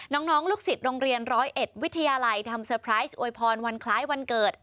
น้องลูกศิษย์โรงเรียน๑๐๑วิทยาลัยทำเซอร์ไพรส์อวยพรวันคล้ายวันเกิด